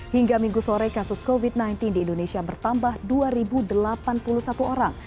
hingga minggu sore kasus covid sembilan belas di indonesia bertambah dua delapan puluh satu orang